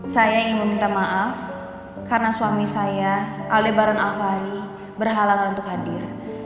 saya ingin meminta maaf karena suami saya allebaran alfari berhalangan untuk hadir